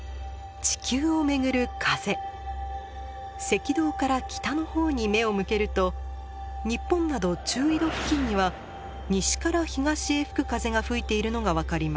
赤道から北の方に目を向けると日本など中緯度付近には西から東へ吹く風が吹いているのが分かります。